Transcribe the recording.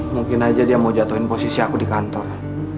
mungkin aja dia mau jatuhin posisi aku di kantor